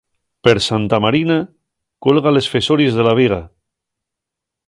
Per Santa Marina, cuelga les fesories de la viga.